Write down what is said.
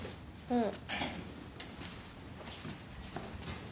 うん。